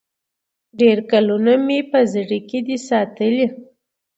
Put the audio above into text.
ډېر کلونه مي په زړه کي دی ساتلی